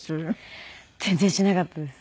全然しなかったです。